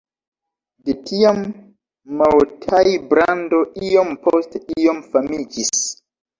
De tiam Maotai-brando iom post iom famiĝis.